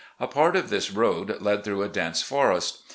A part of this road led through a dense forest.